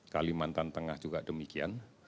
kalimantan tengah juga demikian